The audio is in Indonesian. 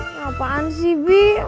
ngapaan sih bi